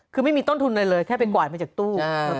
คือไม่มีต้นทุนอะไรเลยแค่ไปกวาดมาจากตู้